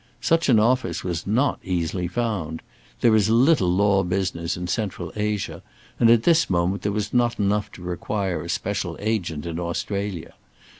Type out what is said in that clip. Such an office was not easily found. There is little law business in Central Asia, and at this moment there was not enough to require a special agent in Australia.